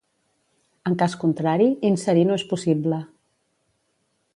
En cas contrari, inserir no és possible.